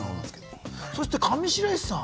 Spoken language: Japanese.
そして上白石さん。